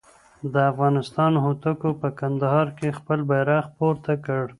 د افغانستان هوتکو په کندهار کې خپل بیرغ پورته کړ.